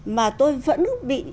mà tôi vẫn bị